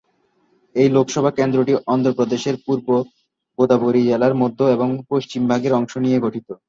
এই লোকসভা কেন্দ্রটি অন্ধ্রপ্রদেশের পূর্ব গোদাবরী জেলার মধ্য ও পশ্চিম ভাগের অংশ নিয়ে গঠিত।